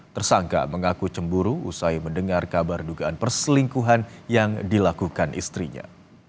tersangka mengaku cemburu usai mendengar kabar dugaan perselingkuhan yang dilakukan istrinya